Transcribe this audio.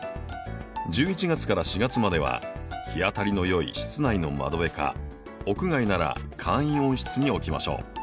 １１月から４月までは日当たりのよい室内の窓辺か屋外なら簡易温室に置きましょう。